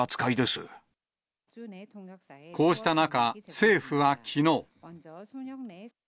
こうした中、政府はきのう。